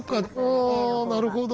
あなるほど。